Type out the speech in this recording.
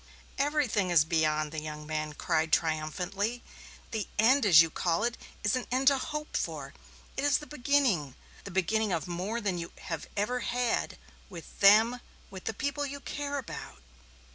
"Everything is beyond," the young man cried triumphantly. "'The end,' as you call it, is an end to hope for it is the beginning. The beginning of more than you have ever had with them, with the people you care about."